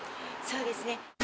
そうですね。